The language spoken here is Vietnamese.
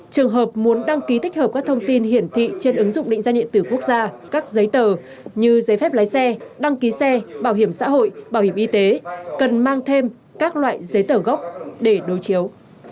trường hợp muốn đăng ký tích hợp các thông tin hiển thị trên ứng dụng định danh điện tử quốc gia các giấy tờ như giấy phép lái xe đăng ký xe bảo hiểm xã hội bảo hiểm y tế cần mang thêm các loại giấy tờ gốc để đối chiếu